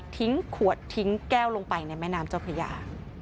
ขวดทิ้งแก้วลงไปในแม่น้ำเจ้าพระยา